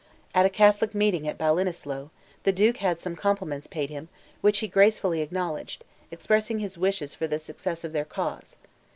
At a Catholic meeting at Ballinasloe, the Duke had some compliments paid him, which he gracefully acknowledged, expressing his wishes for the success of their cause.